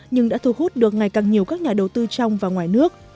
nhưng đã thu hút được ngày càng nhiều các nhà đầu tư trong và ngoài nước